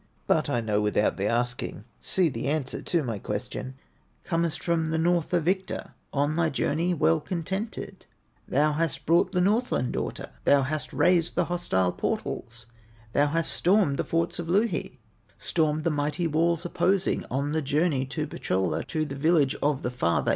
"But I know without the asking, See the answer to my question: Comest from the North a victor, On thy journey well contented; Thou hast brought the Northland daughter, Thou hast razed the hostile portals, Thou hast stormed the forts of Louhi, Stormed the mighty walls opposing, On thy journey to Pohyola, To the village of the father.